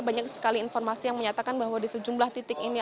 banyak sekali informasi yang menyatakan bahwa di sejumlah titik ini